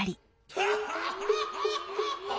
「ハハハハ」。